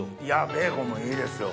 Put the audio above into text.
ベーコンもいいですよ